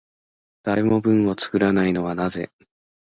誰も文を作らないのはなぜ？